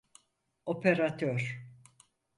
Operatör…